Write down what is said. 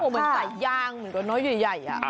โอ้โฮมันใส่ย่างเหมือนกับเนาะใหญ่อ่ะ